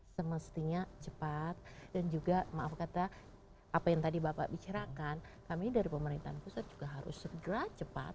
semestinya cepat dan juga maaf kata apa yang tadi bapak bicarakan kami dari pemerintahan pusat juga harus segera cepat